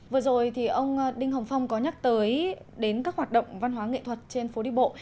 vừa rồi thì ông đinh hồng phong có nhắc tới đến các hoạt động văn hóa nghệ thuật trên phố đi bộ